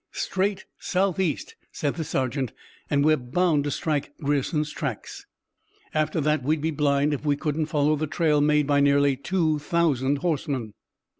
"Straight southeast," said the sergeant, "and we're bound to strike Grierson's tracks. After that we'd be blind if we couldn't follow the trail made by nearly two thousand horsemen."